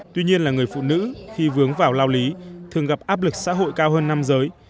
tuy nhiên là người phụ nữ khi vướng vào lao lý thường gặp áp lực xã hội cao hơn nam giới